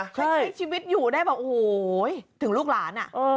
ใช่ใช้ชีวิตอยู่ได้บอกโอ้โฮถึงลูกหลานน่ะ